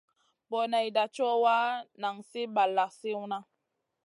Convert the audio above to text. Boneyda co wa, nan sli balla sliwna.